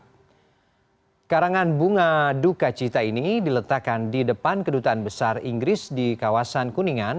hai karangan bunga duka cita ini diletakkan di depan kedutaan besar inggris di kawasan kuningan